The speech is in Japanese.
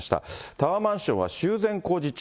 タワーマンションは修繕工事中。